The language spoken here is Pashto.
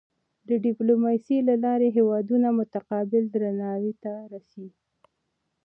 د ډیپلوماسۍ له لارې هېوادونه متقابل درناوی ته رسي.